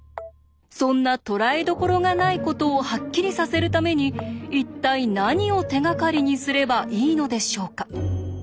そんな捕らえどころがないことをハッキリさせるために一体何を手がかりにすればいいのでしょうか？